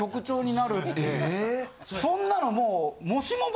そんなのもう。